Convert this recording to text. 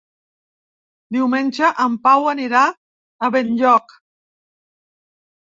Diumenge en Pau anirà a Benlloc.